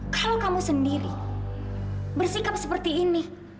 kalau kamu sendiri bersikap seperti ini